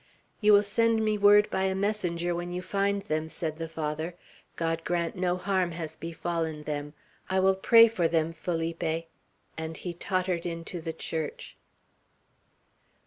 "You will send me word by a messenger, when you find them," said the Father. "God grant no harm has befallen them. I will pray for them, Felipe;" and he tottered into the church.